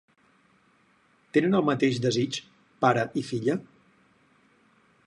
Tenen el mateix desig, pare i filla?